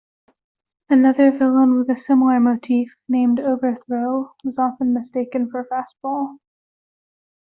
Another villain with a similar motif, named Overthrow, was often mistaken for Fastball.